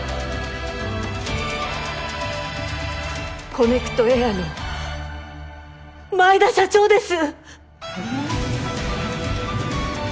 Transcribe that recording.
コネクトエアの前田社長です。